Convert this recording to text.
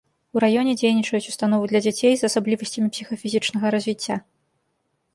У раёне дзейнічаюць установы для дзяцей з асаблівасцямі псіхафізічнага развіцця.